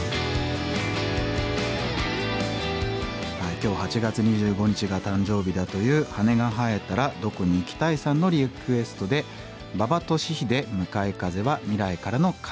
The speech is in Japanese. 今日８月２５日が誕生日だというはねがはえたらどこに行きたいさんのリクエストで馬場俊英「向かい風は未来からの風」